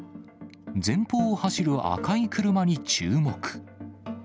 前方を走る赤い車に注目。